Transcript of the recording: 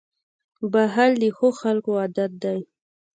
• بښل د ښو خلکو عادت دی.